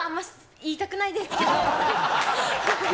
言いたくないけど。